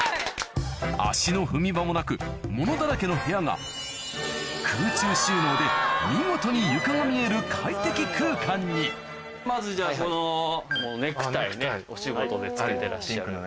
足の踏み場もなく物だらけの部屋が空中収納で見事に床が見える快適空間にまずじゃあこのネクタイねお仕事で着けてらっしゃる。